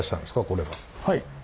これは。